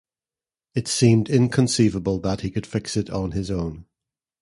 It seemed inconceivable that he could fix it on his own.